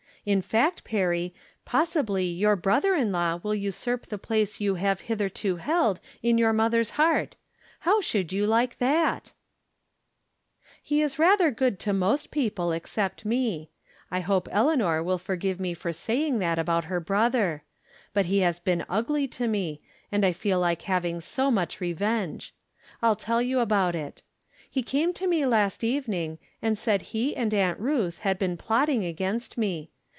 In fact, Perry, possibly your brother in law will usurp the place you have hitherto held in your mother's heart. How should you like that ? He is rather good to most people except me. 218 From Different Standpoints. I hope Eleanor will forgive me for saying that about her brother ; but he has been ugly to me, and I feel like having so much revenge. I'll tell you about it. He came to me last evening, and said he and Aunt Ruth had been plotting against me.